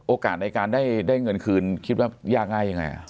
โอกาสในการได้เงินคืนคิดว่ายากง่ายยังไง